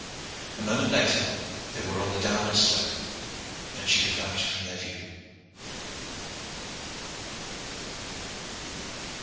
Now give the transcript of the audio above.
A moment later they were on the downward slope, and she had vanished from their view.